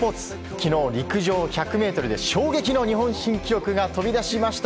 昨日、陸上１００ｍで衝撃の日本新記録が飛び出しました。